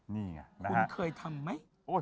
นี่ไงนะครับ